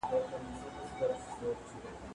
مېوې وچ کړه!؟